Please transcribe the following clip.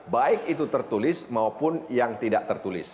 baik itu tertulis maupun yang tidak tertulis